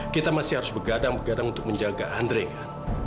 kita masih harus begadang begadang untuk menjaga andre kan